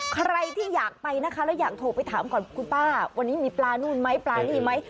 ใครที่อยากไปนะคะแล้วอยากโทรไปถามก่อนคุณป้าวันนี้มีปลานู่นไหมปลานี่ไหม